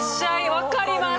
わかります！